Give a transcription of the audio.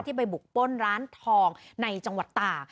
ไปบุกป้นร้านทองในจังหวัดตาก